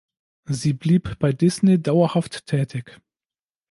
Sie blieb bei Disney dauerhaft tätig.